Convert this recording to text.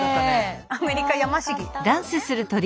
アメリカヤマシギですね。